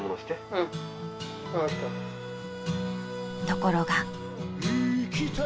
［ところが］